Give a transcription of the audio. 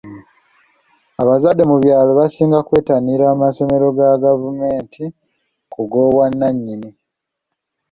Abazadde mu byalo basinga kwettanira masomero ga gavumenti ku g'obwannanyini.